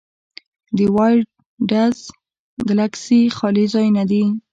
د وایډز ګلکسي خالي ځایونه دي.